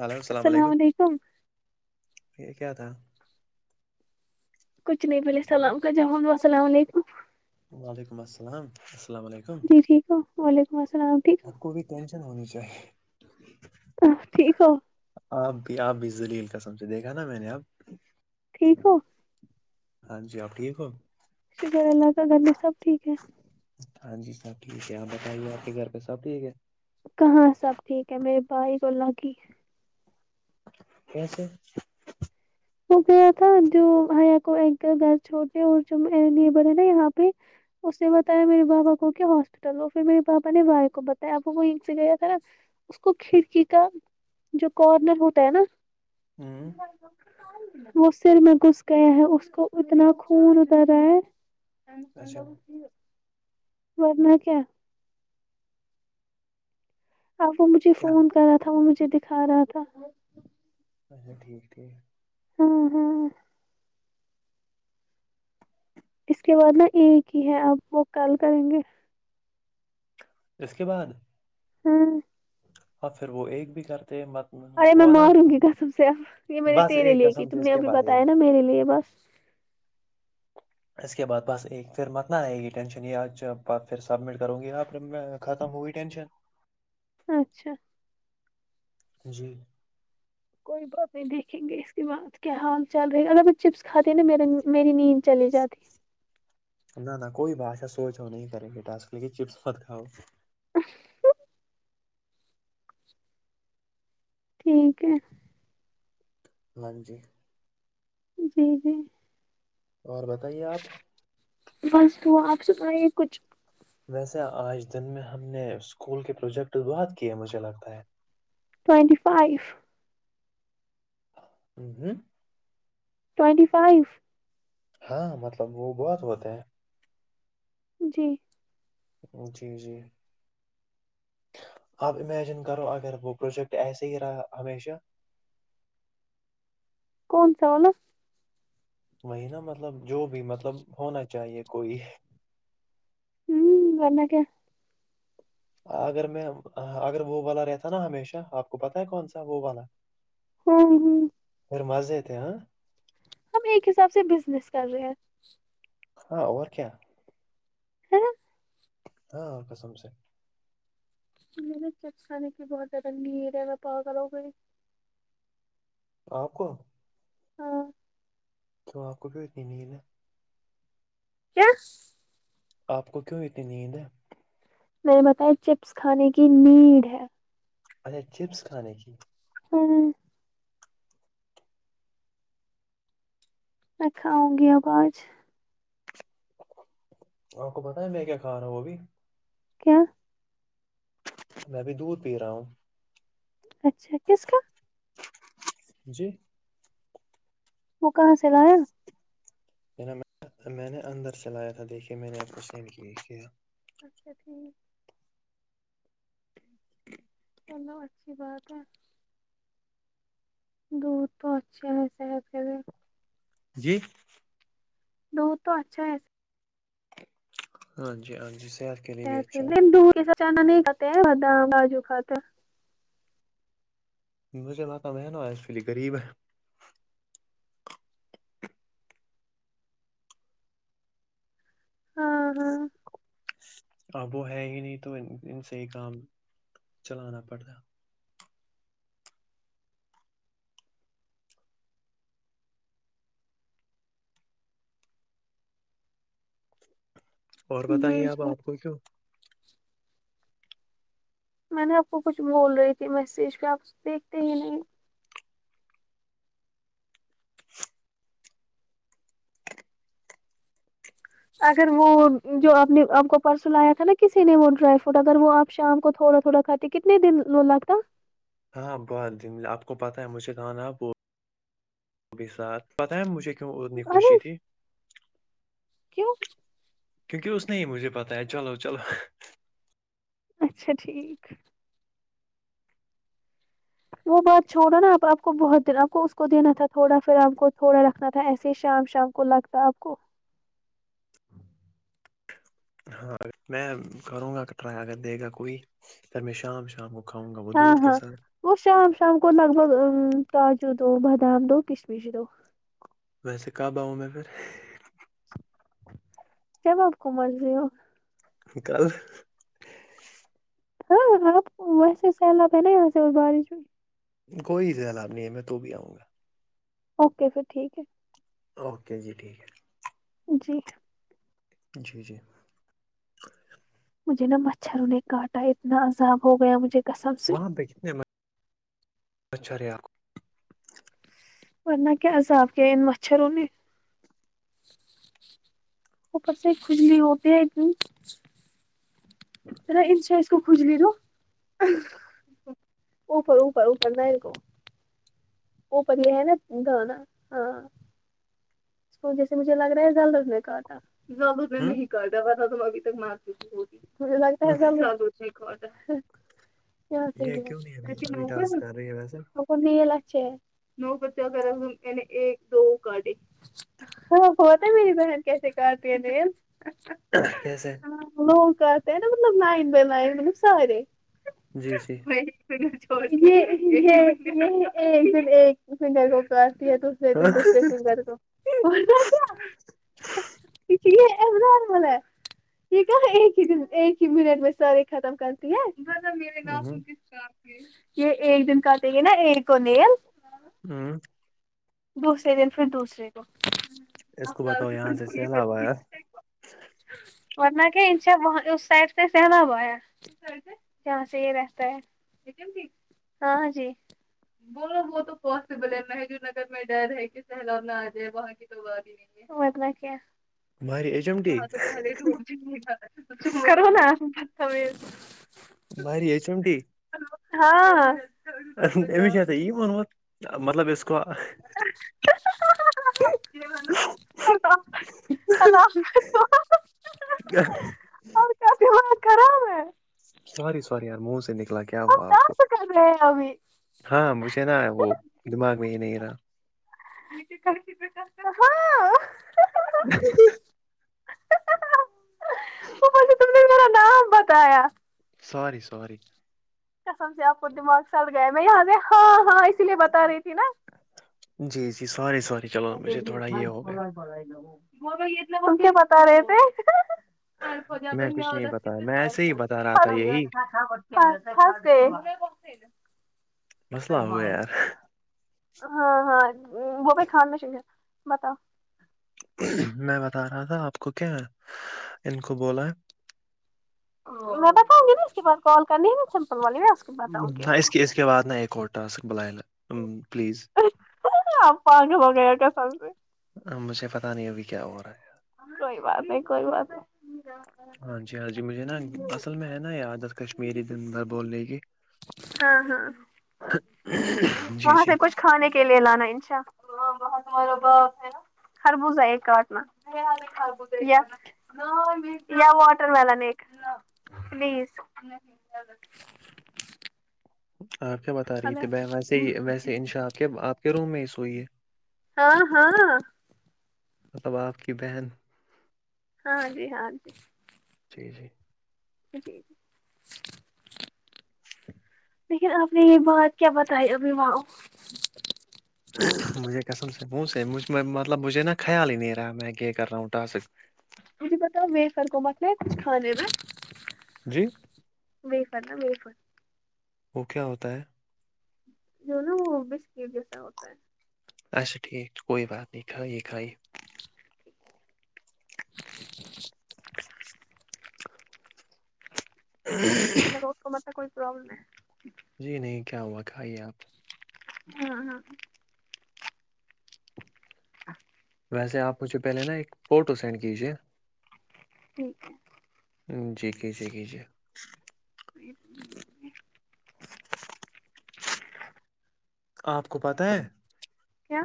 hello اسلام علیکم یہ کیا تھا کچھ نہیں پہلے سلام کا جواب اسلام علیکم وعلیکم السلام السلام علی جی ٹھیک ہو وعلیکم السلام ٹھیک ہے آپ کو بھی ٹینشن ہونی چاہیے اپ ٹھیک ہو آپ بھی آپ بھی لیل قسم سے دیکھا نا میں نے اپ ٹھیک ہو ہاں جی آپ ٹھیک ہو شکر اللہ کا گھر میں سب ٹھیک ہے ہاں جی سب ٹھیک ہے آپ بتائیے آپ کے گھر پہ سب ٹھیک ہے کہاں سب ٹھیک ہے میرے باہ ہی گلا کی کیسے وہ گیا تھا جو حیا کو ایک گھر چھوڑ دے اور جو [unintelligible] ن بر ہے نا یہاں پہ اس نے بتایا میرے بابا کو کہ ہاسپٹل ہو پھر میرے بابا نے بائی کو بتایا وہیں سے گیا تھا نا اس کو کھڑکی کا جو کارنر ہوتا ہے نا ہوں [unintelligible] وہ سر میں گھس گیا ہے اس کو اتنا خون اتر رہا ہے اچھا ورنہ کیا پاپا مجھے کیا فون کر رہا تھا وہ مجھے دکھا رہا تھا اچھا ٹھیک ٹھیک ہمم ہمم اس کے بعد نا ایک ہی ہے آپ وہ کل کریں گے اس کے بعد ہاں اور پھر وہ ایک بھی کرتے مت ارے میں ہوا نا ماروں گی قسم سے اب یہ میں نے بس تیرے ایک لیے کی قسم سے تم اس نے کے اب بعد بتایا ایک نا میرے لیے بس اس کے بعد بس ایک پھر مت نہ آئیگی ٹینشن یا پھر سبمٹ کروں گی یا پھر میں ختم ہوی ٹینشن اچھا جی کوئی بات نہیں دیکھیں گے اس کے بعد کیا حال چل رہے گ چپس کھاتے ہیں نا میرے میری نیند چلی جاتی نہ نہ کوئی بھاشا سوچ نہیں کریں بیٹا اس لیے چپس مت کاؤ ٹھیک ہے ہاں جی جی جی اور بتائیے آپ بس دعا آپ سنایئے کچھ ویسے آج دن میں ہم نے اسکول کے پروجیکٹ بہت کیے مجھے لگتا ہے ٹوینٹی فائیف ہوں ٹوینٹی فائیو ہاں مطلب وہ بہت ہوتے ہیں جی جی جی آپ امیجن کرو اگر وہ پروجیکٹ ایسے ہی رہا ہمیشہ کونسا [unintelligible] وہی نا مطلب جو بھی مطلب ہونا چاہیے کوئی ہوں منا کیا اگر میں اگر وہ والا رہتا نا ہمیشہ آپ کو پتا ہے کون سا وہ والا ہوں ہوں پھر مزے تھے ہاں ہم ایک حساب سے بزنس کر رہے ہیں ہاں اور کیا ہاں ہاں قسم سے [unintelligible] اپ کو ہاں کیوں آپ کو بھی اتنی نیڈ ہے کیا آپ کو کیوں اتنی نیند ہے میں نے بتایا چپس کھانے کی نیڈ ہے اچھا چپس کھانے کی ہاں میں کھاؤں گی اب آج آپ کو پتا ہے میں کیا کھا رہا ہوں ابھی کیا میں ابھی دودھ پی رہا ہوں اچھا کس کا جی وہ کہاں سے لا یا نا میں نے اندر سے لایا تھا دیکھیے میں نے آپ کو سم کیا کیا اچھا ٹھیک چلو اچھی بات ہے دودھ تو اچھا ہیں صحت کے لئے جی دوپ اچھا ہے ہاں جی ہاں جی صحت کے لیے بھی اچھا ہے [unintelligible] نہیں بدام کاجو کھاتے مجھے متہ میں نا ایکچولی غریب ہے ہاں ہاں اب وہ ہے ہی نہیں تو ان سے ہی کام چلانا پڑتا اور جی بتائیے اب جی آپ کو کیوں میں نے آپ کو کچھ بول رہی تھی میسیج پہ آپ دیکھتے ہی نہیں اگر وہ جو آپ نے آپ کو پرسوں لایا تھا نا کسی نے وہ ڈرائی فروٹ اگر وہ آپ شام کو تھوڑا تھوڑا کتنے دن لون لگتا ہاں بت دملہ آپ کو پتاہ ہے مجھے کہاں نا آپ وہ اب ساتھ پتا ہے مجھے کیوں اور نہیں خوشی ارے تھی کیوں کیونکہ اس نے یہ مجھے پتہ ہے چلو چلو اچھا ٹھیک وہ بات چھوڑا نا آپ کو بہت دن آپ کو اس کو دینا تھا تھوڑا پھر آپ کو تھوڑا رکھنا تھا ایسے ہی شام شام کو لگتا آپ کو ہاں میں کروں گا کر ٹرئ اگر دے گا کوئی پھر میں شام شام کھاؤں گا وہ ہاں دودھ کے ہاں ساتھ وہ شام شام کو لگ بگ ا کاجو دو بادام دو کشمش دو ویسے کب آؤں میں پھر جب آپ کا منظور ہو پھر کل ہاں آپ ویسے سیلابہ نہیں وسے اس بارش میں کوئی سیلاب نہیں ہے میں تو بھی آؤں گا اوکے پھر ٹھیک ہے اوکے جی ٹھیک ہے جی جی جی مجھے نا مچھر نے کاٹا اتنا عذاب ہو گیا مجھے قسم سے وہاں پہ کتنے مچ مچھر ہے آپ کو ورنہ کیاسا عذاب کے ان مچھروں نے اپر سے کھجلی ہوتے ہے کیوں تو انس اس کو کھجلی دو اوپر اوپر اوپر نہ کو وہ بڑھیا ہے نا گانا ہاں جیسے مجھے لگ رہا ہے جلدز نے کاٹا تھا [unintelligible] جلدز نے کو نہیں ہ کہتاس تم ابھی تک مارتی مجھے لگتا ہے جلدزی [unintelligible] جلدزی نے کاٹا یہ کیوں نہیں ابھی [unintelligible] ابھی نوکر ٹاسک کر رہی ہے ویسے پا میل اچھا ہے لوگ دراصل ایک دو گڑی ہاں بتا ہے میری بہن کیسے کرتی ہے نیل کیسے لوگ کرتے ہیں نا مطلب لائن بائی لائن میں سارے جی جی [unintelligible] پھر ایک دن فیس کریم اور تو کیا یہ ایک عمران مول ہے یہ کیا ایک ہی دن ایک ہی منٹ میں ساری ختم کرتی ہے میرے ہوں [unintelligible] یہ ایک دن کہتے ہیں نا ایک کو نیل ہمم دوسرے دن پھر دوسرے کو اس کو بتاؤ یہاں سے سیلاب ایا ورنہ کہ انا وہ اس سائڈ سے سہلاب ایا جہاں سے یہ راستہ ہے لیکن جی ہاں جی بولو وہ تو پوسیبل ہے [unintelligible] ت میں ڈر ہے کہ سیلاب نہ آ جائے وہاں کی تو بات ہی نہیں ہے ورنہ کیا ماری ایچ ایم ٹی پہلے چپ کرو نہ بھاری ہے چمٹی ہاں ام [unintelligible] یہی وونمت مطلب اس کو [unintelligible] کیا اور کا دماغ خراب ہے سوری سوری یار منہ سے نکلا کیا ہم ہوا آپ کو ڈانس کر رہے ہیں ابھی ہاں مجھے نا وہ دماغ میں ہی نہیں رہا ہاں تم نے میرا نام بتایا سوری سوری قسم سے آپ کو دماغ سڑ گیا میں یہاں سے ہاں ہاں اسی لیے بتا رہی تھی نا جی جی سوری سوری چلو مجھے تھوڑا یہ ہو گیا تم کیا پکا رہے تھے [unintelligible] میں کچھ نہیں بتایا میں ایسے ہی بتا رہا پھا تھا یہی پھس گئے مسئلہ ہو گیا یار ہاں ہاں وہ بھی کھانا چاہیے بتاؤ میں بتا رہا تھا آپ کو کیا ان کو بولا میں بتاؤں گی نا اس کے بعد کال کرنی ہے نہ سم وں ہاں اس کے اس کے بعد نہ ایک اور ٹاسک بلائے پلیز ہاں آپ پاگل ہو گئے ہو قسم سے مجھے پتہ نہیں ابھی کیا ہو رہا ہے کوئی بات نہیں کوئی بات ہاں جی ہاں جی مجھے نا اصل میں ہے نہ یہ عادت کشمیری دن بھر بولنےکی ہاں ہاں جی وہاں سے جی کچھ کھانے کے لیے لانا انشا خربوزہ ایک کاٹنا یا ہاں واٹر ملن ایک پلیز آپ کیا بتا رہی ہاں بہن ویسے ویسے انشا آپ کے آپ کے روم میں ہی سوئی ہے ہاں ہاں مطلب آپ کی بہن ہاں جی ہاں جی جی جی نہیں لیکن آپ نے یہ بات کیا بتائی ابھی بولو مجھے قسم سے پوچ ہےمجھ میں مطلب مجھے نا خیال ہی نہیں رہا میں کیا کر رہا ہوں ٹاسک مجھے پتاؤ ویفر کو مت لائے کچھ کھانے نہ جی ویفر نہ ویفر وہ کیا ہوتا ہے جو نا وہ بیسکٹ جیسا ہوتا ہے اچھا ٹھیک کوئی بات نہیں کھائیے کھائیے [inaudible] مجھے لگا اس کا مطلب کوئی پرابلم ہے جی نہیں کیا ہوا کھائیے آپ ہاں ہاں آ ویسے آپ مجھے پہلے نا ایک فوٹو سینڈ کیجیے ٹھیک ہے جی کیجے کیجے [unintelligible] آپ کو پتہ ہے کیا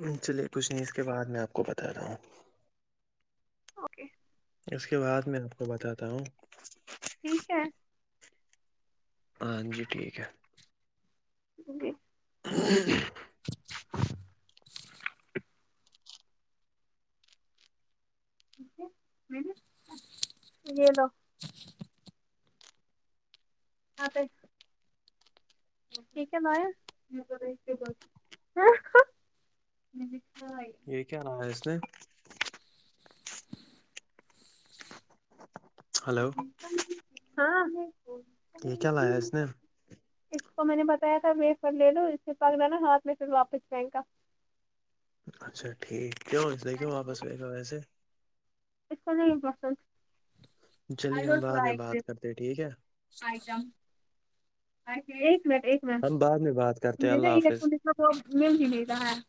نہیں چلیے کچھ نہیں اس کے بعد میں آپ کو بتاتا ہوں اوکے اس کے بعد میں آپ کو بتاتا ہوں ٹھیک ہے ہاں جی ٹھیک ہے جی یہ دو آتے ٹھیک ہے نہ یہ میٹھائی یہ کیا لایا ہے اس نے ہلو ہاں [unintelligible] یہ کیا لایا اس نے اس کو میں نے بتایا تھا و فر لے لو اس سے پ [unintelligible] لا نا ہاتھ میں پھر واپس جئے گا اچھا ٹھیک ہے [unintelligible] وہ جاکے واپس آے گا ویسے اس کو نہیں پسند ائی چلیے ہم ڈونٹ بعد میں لائک ڈیز بات کرتے ٹھیک ہے ائی کم ایک منٹ ایک منٹ ہم بعد میں بات [unintelligible] کرتے وہ ہیں [unintelligible] اللہ حافظ مل ہی نہیں رہا ہے